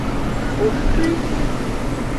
Opwi.